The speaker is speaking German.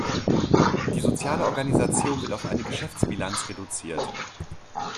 Die soziale Organisation wird auf eine Geschäftsbilanz reduziert.